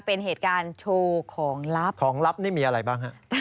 เป็นเหตุการณ์โชว์ของลับของลับนี่มีอะไรบ้างฮะ